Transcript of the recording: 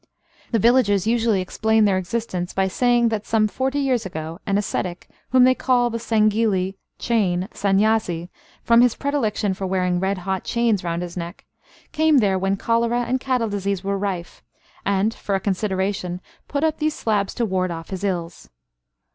The villagers usually explain their existence by saying that, some forty years ago, an ascetic, whom they call the sangili (chain) sanyasi from his predilection for wearing red hot chains round his neck, came there when cholera and cattle disease were rife, and (for a consideration) put up these slabs to ward off his ills.